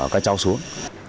và cháu xuống